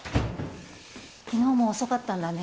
昨日も遅かったんだね。